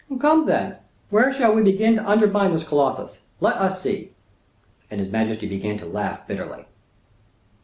"Come, then, where shall we begin to undermine this Colossus; let us see;" and his majesty began to laugh bitterly.